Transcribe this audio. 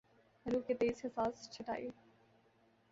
حروف کے تئیں حساس چھٹائی